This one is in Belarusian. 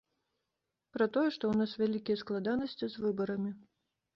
Пра тое, што ў нас вялікія складанасці з выбарамі.